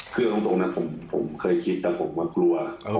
คือเอาตรงนะผมเคยคิดแต่ผมมากลัว